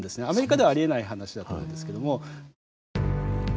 アメリカではありえない話だと思うんですけども。